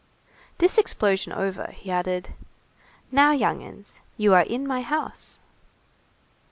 This explosion over, he added:— "Now, young 'uns, you are in my house."